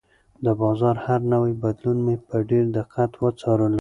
د بازار هر نوی بدلون مې په ډېر دقت وڅارلو.